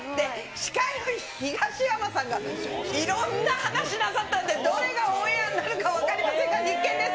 司会の東山さんがいろんな話なさったんで、どれがオンエアになるか分かりませんが、必見です。